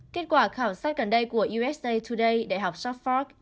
kết quả khảo sát gần đây của usa today đại học south park